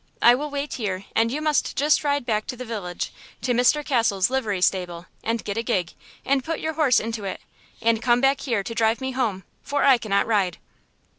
I will wait here and you must just ride back to the village, to Mr. Cassell's livery stable, and get a gig, and put your horse into it, and come back here to drive me home, for I cannot ride."